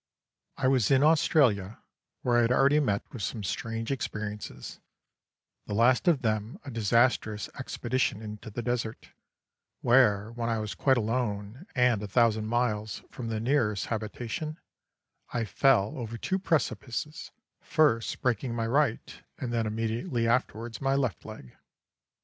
"I was in Australia, where I had already met with some strange experiences, the last of them a disastrous expedition into the desert, where, when I was quite alone and a thousand miles from the nearest habitation, I fell over two precipices, first breaking my right and then immediately afterwards my left leg.